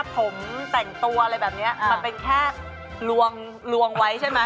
ผมแต่งตัวอะไรแบบนี้มันเป็นแค่ลวงไว้ใช่ไหม